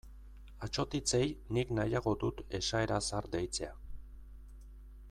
Atsotitzei nik nahiago dut esaera zahar deitzea.